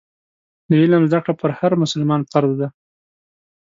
د علم زده کړه پر هر مسلمان فرض ده.